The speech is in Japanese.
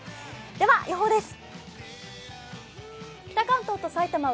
では予報です。